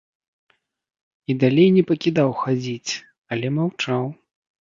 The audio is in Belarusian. І далей не пакідаў хадзіць, але маўчаў.